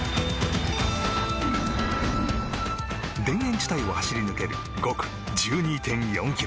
田園地帯を走り抜ける５区、１２．４ｋｍ。